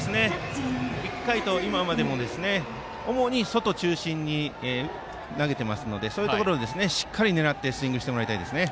１回と今までも主に外中心に投げていますのでそういうところをしっかり狙ってスイングしてほしいですね。